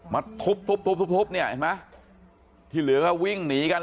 มาทุบเนี่ยที่เหลือก็วิ่งหนีกัน